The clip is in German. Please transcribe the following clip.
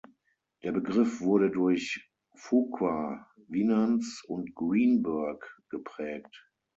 Der Begriff wurde durch Fuqua, Winans und Greenberg geprägt.